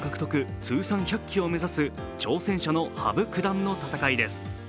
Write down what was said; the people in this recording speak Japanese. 通算１００期を目指す挑戦者の羽生九段の戦いです。